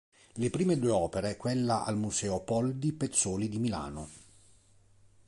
Le prime due opere, quella al Museo Poldi Pezzoli di Milano.